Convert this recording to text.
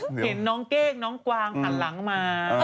เห็นน้องเก้งน้องกวางหันหลังมา